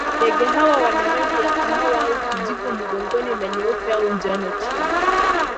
Ndege hawa wana rangi ya kahawa au kijivu mgongoni na nyeupe au njano chini.